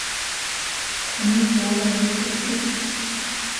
岑伯颜之孙。